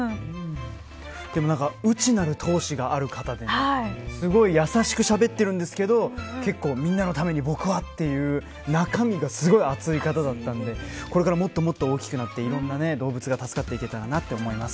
内なる闘志がある方ですごい優しくしゃべっているんですけど結構、みんなのために僕はという中身が熱い方だったのでこれからもっともっと大きくなっていろんな動物が助かってくれたらなと思います。